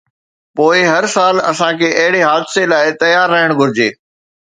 پوءِ هر سال اسان کي اهڙي حادثي لاءِ تيار رهڻ گهرجي.